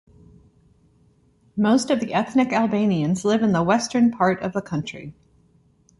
Most of the ethnic Albanians live in the western part of the country.